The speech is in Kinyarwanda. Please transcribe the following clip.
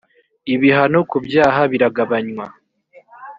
ibihano ku byaha biragabanywa .